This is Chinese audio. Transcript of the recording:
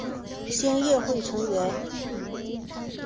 兴亚会成员。